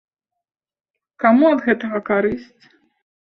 Каму ад гэтага карысць?